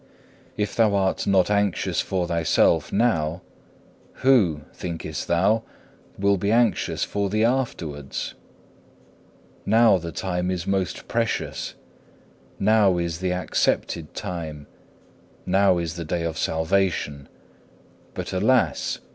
If thou art not anxious for thyself now, who, thinkest thou, will be anxious for thee afterwards? Now the time is most precious. Now is the accepted time, now is the day of salvation. But alas!